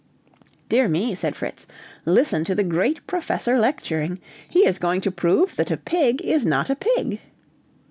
"Dear me," said Fritz; "listen to the great professor lecturing! He is going to prove that a pig is not a pig!"